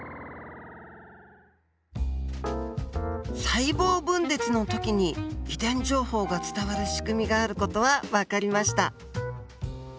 細胞分裂の時に遺伝情報が伝わる仕組みがある事は分かりました。